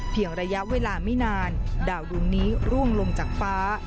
เพียงระยะเวลาไม่นานดาวรุ่นนี้ร่วงลงจากฟ้า